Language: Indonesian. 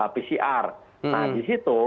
pcr nah di situ